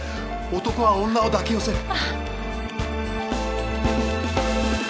男は女を抱き寄せる。